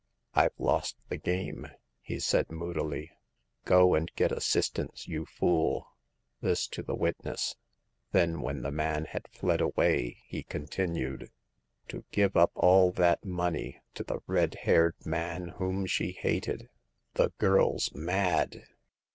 "IVe lost the game,'' he said, moodily. Go and get assistance, you fool !'' this to the witness ; then, when the man had fled away, he continued : '*To give up all that money to the red haired man whom she hated ! The girFs mad